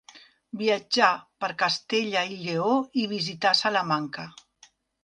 Viatjà per Castella i Lleó i visità Salamanca.